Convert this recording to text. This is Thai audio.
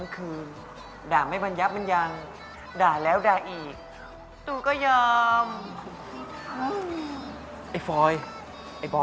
กูว่าอย่างนี้ต้อง